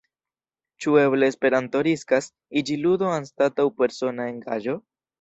Ĉu eble Esperanto riskas iĝi ludo anstataŭ persona engaĝo?